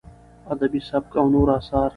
ادبي سبک او نور اثار: